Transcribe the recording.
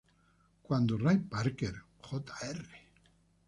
Cuando Ray Parker Jr.